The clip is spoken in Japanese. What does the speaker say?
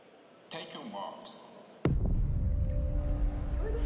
おいで！